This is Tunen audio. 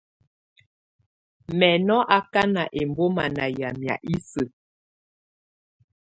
Mɛ̀ nɔ̀ akana ɛmbɔma nà yamɛ̀á isǝ́.